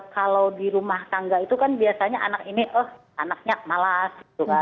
kalau di rumah tangga itu kan biasanya anak ini oh anaknya malas